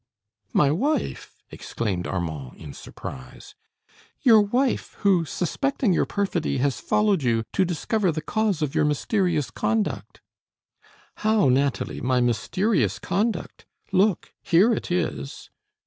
"My wife!" exclaimed Armand, in surprise. "Your wife who, suspecting your perfidy, has followed you, to discover the cause of your mysterious conduct!" "How, Nathalie, my mysterious conduct? Look, here it is!"